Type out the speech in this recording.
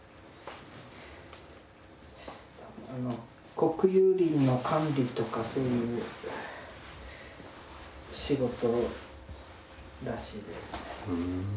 国有林の管理とかそういう仕事らしいです。